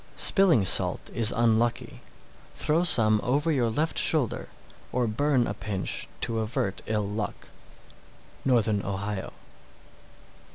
645. Spilling salt is unlucky; throw some over your left shoulder, or burn a pinch to avert ill luck. _Northern Ohio.